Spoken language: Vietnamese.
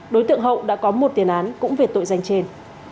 đối tượng hậu đã có một tiền án cũng về tội danh trên